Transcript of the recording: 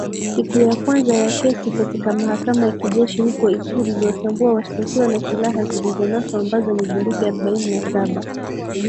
Siku ya kwanza ya kesi katika mahakama ya kijeshi huko Ituri iliwatambua washtakiwa na silaha zilizonaswa ambazo ni bunduki arubaini na saba